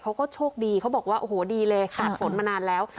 เขาก็โชคดีเขาบอกว่าโอ้โหดีเลยขาดฝนมานานแล้ว